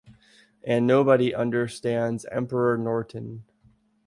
And nobody understands Emperor Norton.